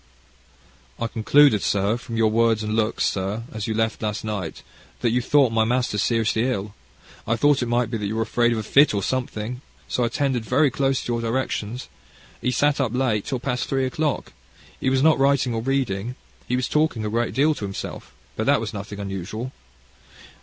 "I concluded, sir, from your words, and looks, sir, as you left last night, that you thought my master was seriously ill. I thought it might be that you were afraid of a fit, or something. So I attended very close to your directions. He sat up late, till past three o'clock. He was not writing or reading. He was talking a great deal to himself, but that was nothing unusual.